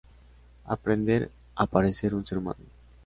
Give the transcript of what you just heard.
aprender a parecer un ser humano